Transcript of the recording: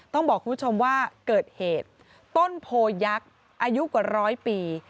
ต้องบอกคุณผู้ชมว่าเกิดเหตุต้นโพยักษ์อายุกว่าร้อยปี